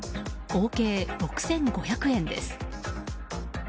合計６５００円です。